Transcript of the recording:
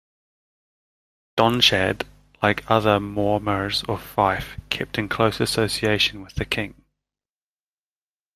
Donnchad, like other Mormaers of Fife, kept in close association with the king.